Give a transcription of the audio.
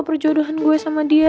perjodohan gue sama dia